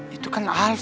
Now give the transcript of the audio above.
sedekahnya yg yang arma